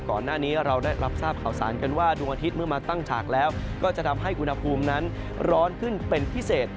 ก่อนหน้านี้เราได้รับทราบข่าวสารกันว่าดวงอาทิตย์เมื่อมาตั้งฉากแล้วก็จะทำให้อุณหภูมินั้นร้อนขึ้นเป็นพิเศษ